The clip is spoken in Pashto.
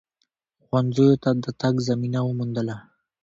ښونځیو ته د تگ زمینه وموندله